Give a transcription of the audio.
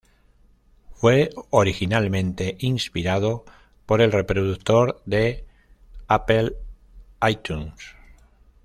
Fue originalmente inspirado por el reproductor de Apple, iTunes.